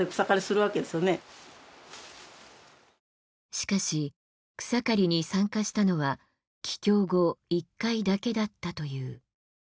しかし草刈りに参加したのは帰郷後一回だけだったという。